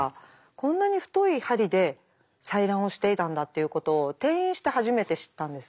こんなに太い針で採卵をしていたんだっていうことを転院して初めて知ったんですね。